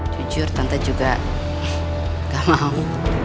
jujur tante juga gak mau